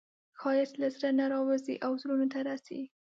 ښایست له زړه نه راوځي او زړونو ته رسي